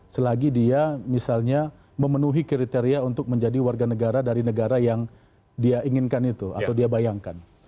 selagi dia misalnya memenuhi kriteria untuk menjadi warga negara dari negara yang dia inginkan itu atau dia bayangkan